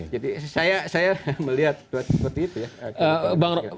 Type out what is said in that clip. jadi saya melihat seperti itu ya